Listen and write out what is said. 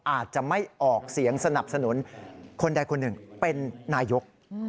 อาจจะไม่ออกเสียงสนับสนุนคนใดคนหนึ่งเป็นนายก